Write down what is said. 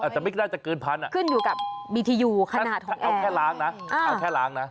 อาจจะไม่ได้จะเกินพันอ่ะขึ้นอยู่กับคาดของแอร์เอาแค่ล้างนะเอาแค่ล้างนะ